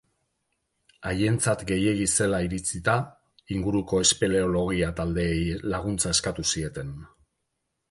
Haientzat gehiegi zela iritzita, inguruko espeleologia taldeei laguntza eskatu zieten.